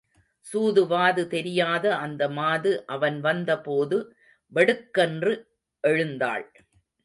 சூதுவாது தெரியாத அந்த மாது அவன் வந்த போது வெடுக்கென்று எழுந்தாள்.